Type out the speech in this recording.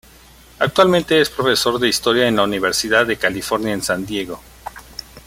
Actualmente es profesor de historia en la Universidad de California en San Diego.